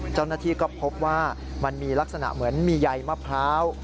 เจ้าหน้าที่ก็พบว่ามันมีลักษณะเหมือนมีใยมะพร้าว